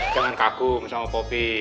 jangan kagum sama pobi